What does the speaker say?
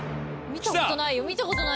見たことない。